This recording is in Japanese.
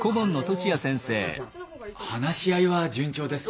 あの話し合いは順調ですか？